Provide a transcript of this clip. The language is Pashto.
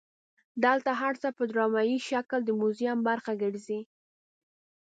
دلته هر څه په ډرامایي شکل د موزیم برخه ګرځي.